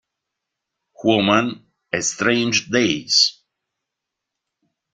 Woman" e "Strange Days".